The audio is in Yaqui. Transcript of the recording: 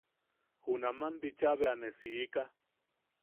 Junaman bicha bea ne siika.